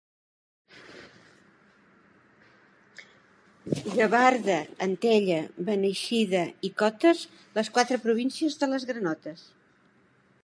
Gavarda, Antella, Beneixida i Cotes, les quatre províncies de les granotes.